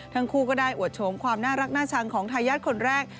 ทั้งคู่ก็ได้อวดโฉมความน่ารักน่าชังของทายาทคนแรก